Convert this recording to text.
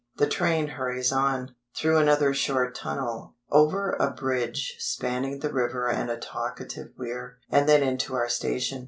The train hurries on, through another short tunnel, over a bridge spanning the river and a talkative weir, and then into our station.